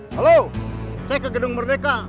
halo saya ke gedung merdeka